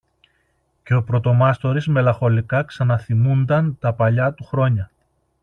και ο πρωτομάστορης μελαγχολικά ξαναθυμούνταν τα παλιά του χρόνια